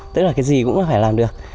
tức là cái gì cũng phải làm được